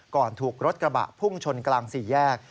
ถูกรถกระบะพุ่งชนกลางสี่แยก